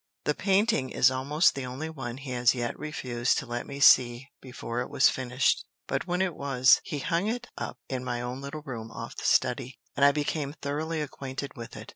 The painting is almost the only one he has yet refused to let me see before it was finished; but, when it was, he hung it up in my own little room off the study, and I became thoroughly acquainted with it.